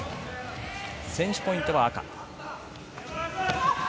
先取ポイントは赤。